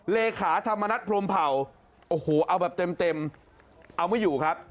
เลขาธรรมนัฐพรมเผ่าโอ้โหเอาแบบเต็มเอาไม่อยู่ครับ